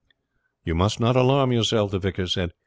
"You must not alarm yourself," the vicar said.